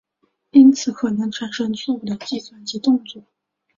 因此可能产生错误的计算及动作。